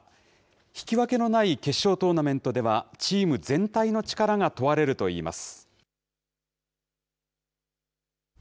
引き分けのない決勝トーナメントでは、チーム全体の力が問われるといいます。